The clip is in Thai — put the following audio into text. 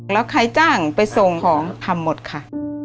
แล้วใครจ้างไปส่งของทำหมดค่ะ